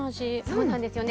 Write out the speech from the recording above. そうなんですよね。